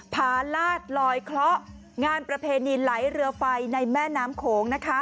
พาลาดลอยเคราะห์งานประเพณีไหลเรือไฟในแม่น้ำโขงนะคะ